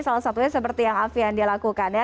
salah satunya seperti yang alfie andi lakukan ya